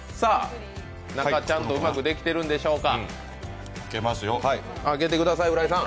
中、ちゃんとうまくできているんでしょうか？